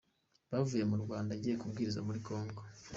Yavuye mu Rwanda agiye kubwiriza muri Congo.